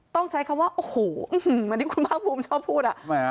ต้องใช้คำว่าโอ้โหอันนี้คุณบ้างภูมิชอบพูด